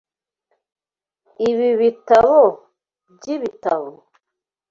Ibi bitabo byibitabo?